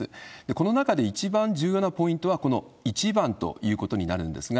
この中で一番重要なポイントは、この１番ということになるんですが、